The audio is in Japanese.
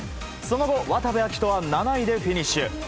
その後、渡部暁斗は７位でフィニッシュ。